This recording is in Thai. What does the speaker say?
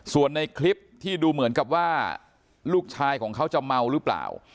ส่วนในคลิปที่ดูเหมือนกับว่าลูกชายของเขาจะเมาหรือเปล่า